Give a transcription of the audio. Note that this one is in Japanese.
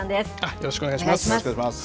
よろしくお願いします。